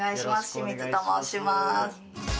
清水と申します。